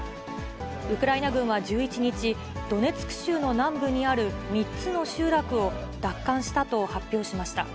ウクライナ軍は１１日、ドネツク州の南部にある３つの集落を奪還したと発表しました。